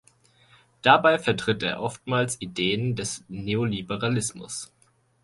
Dabei vertritt er oftmals Ideen des Neoliberalismus.